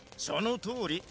そのとおり。